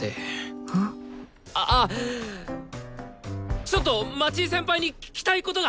あっちょっと町井先輩に聞きたいことが！